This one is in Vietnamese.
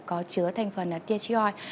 có chứa thành phần tgy